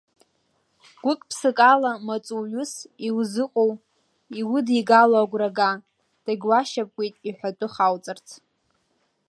Гәыкԥсыкала маҵуҩыс иузыҟоу иудигало агәра га, дагьуашьапкуеит иҳәатәы хауҵарц!